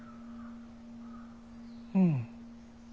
うん。